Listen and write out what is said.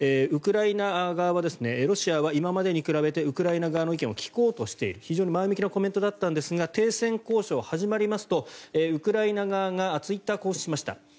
ウクライナ側はロシアは今までに比べてウクライナ側の意見を聞こうとしている非常に前向きなコメントだったんですが停戦交渉が始まりますとウクライナ側がツイッターを更新しました。